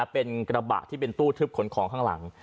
เป็นกระบะที่เป็นตู้ทึบขนของข้างหลัง